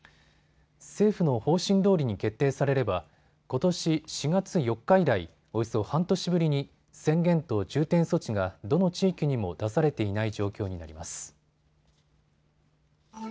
政府の方針どおりに決定されればことし４月４日以来、およそ半年ぶりに宣言と重点措置がどの地域にも出されていない状況になります。